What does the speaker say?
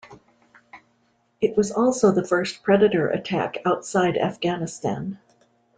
It was also the first Predator attack outside Afghanistan.